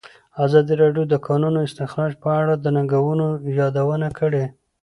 ازادي راډیو د د کانونو استخراج په اړه د ننګونو یادونه کړې.